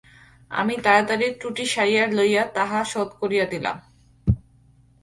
আমি তাড়াতাড়ি ত্রুটি সারিয়া লইয়া তাহা শোধ করিয়া দিলাম।